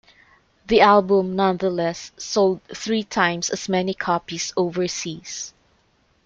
The album nonetheless sold three times as many copies overseas.